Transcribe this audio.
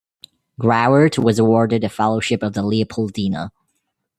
Grauert was awarded a fellowship of the Leopoldina.